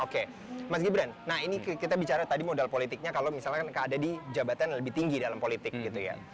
oke mas gibran nah ini kita bicara tadi modal politiknya kalau misalnya ada di jabatan lebih tinggi dalam politik gitu ya